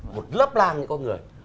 một lớp lang những con người